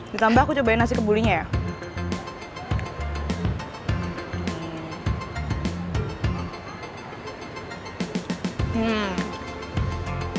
ditambah aku cobain nasi kebulinya ya